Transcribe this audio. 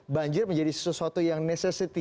banjir menjadi sesuatu yang necessity